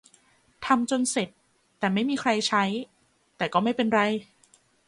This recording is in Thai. ทำจนเสร็จ แต่ไม่มีใครใช้ - แต่ก็ไม่เป็นไร